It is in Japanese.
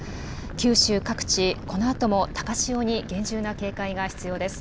九州各地、このあとも高潮に厳重な警戒が必要です。